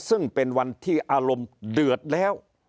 ซึ่งเป็นวันที่อารมณ์เดือดแล้ว